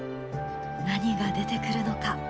何が出てくるのか？